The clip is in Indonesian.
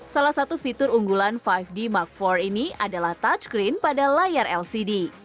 salah satu fitur unggulan lima d mark empat ini adalah touchcreen pada layar lcd